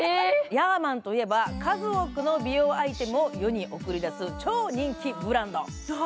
ヤーマンといえば、数多くの美容アイテムを世に送り出す超人気ブランド。